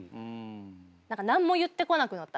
何か何も言ってこなくなった。